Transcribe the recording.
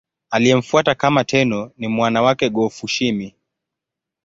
Aliyemfuata kama Tenno ni mwana wake Go-Fushimi.